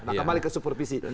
nah kembali ke supervisi